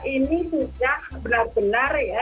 ini sudah benar benar ya